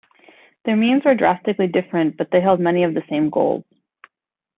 Their means were drastically different, but they held many of the same goals.